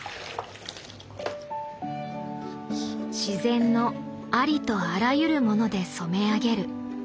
自然のありとあらゆるもので染め上げる。